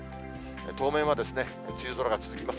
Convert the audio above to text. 当面は梅雨空が続きます。